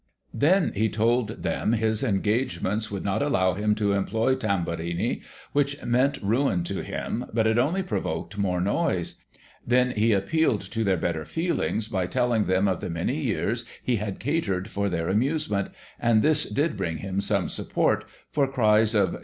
Then he told them his engagements would not allow him to employ Tamburini, which meant ruin to him, but it only provoked more noise. Then he appealed to their better feelings by telling them of the many years he had catered for their amuse ment, and this did bring him some support, for cries of * A private box, on the level of the stage, with which it communicated.